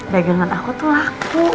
bagian not aku tuh laku